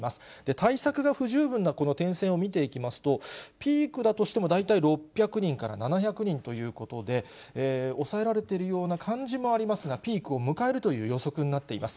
対策が不十分なこの点線を見ていきますと、ピークだとしても、大体６００人から７００人ということで、抑えられているような感じもありますが、ピークを迎えるという予測になっています。